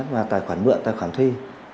mà tài khoản mượn tài khoản thuê